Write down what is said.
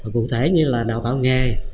cụ thể như là đào tạo nghề